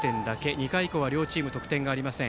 ２回以降、両チーム得点はありません。